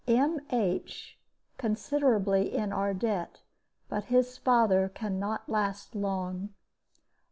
M. H. considerably in our debt; but his father can not last long.